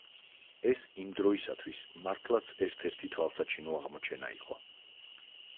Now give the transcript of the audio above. ეს იმდროისათვის მართლაც ერთ-ერთი თვალსაჩინო აღმოჩენა იყო.